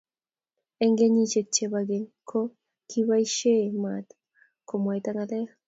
Eng kenyishe che bo keny ko kiboisie boisie maat komwaita ng'alek.